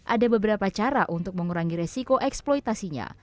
ada beberapa cara untuk mengurangi resiko eksploitasinya